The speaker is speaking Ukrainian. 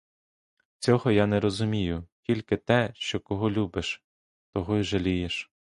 Цього я не розумію; тільки те, що кого любиш, того й жалієш.